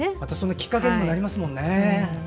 きっかけにもなりますもんね。